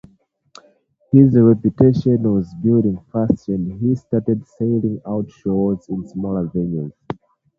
His reputation was building fast and he started selling out shows in smaller venues.